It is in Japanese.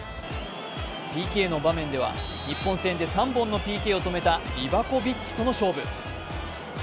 ＰＫの場面では日本戦で３本のＰＫを止めたリバコビッチとの勝負。